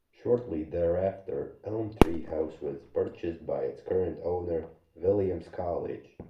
Shortly thereafter, Elm Tree House was purchased by its current owner, Williams College.